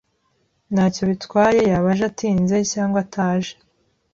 Ntacyo bitwaye yaba aje atinze cyangwa ataje.